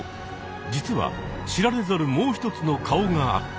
実は知られざるもう一つの顔があった。